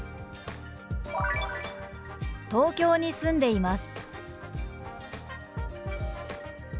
「東京に住んでいます」。